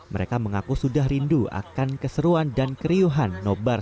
mereka mengaku sudah rindu akan keseruan dan keriuhan nobar